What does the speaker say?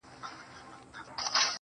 دوى ما اوتا نه غواړي.